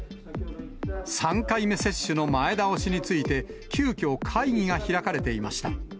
３回目接種の前倒しについて、急きょ、会議が開かれていました。